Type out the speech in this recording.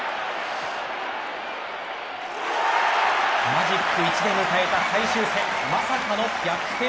マジック１で迎えた最終戦まさかの逆転